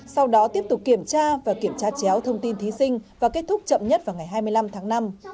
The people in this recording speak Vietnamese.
sau đó tiếp tục kiểm tra và kiểm tra chéo thông tin thí sinh và kết thúc chậm nhất vào ngày hai mươi năm tháng năm